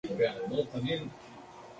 Tuvo un paso fugaz por el equipo Bahiense.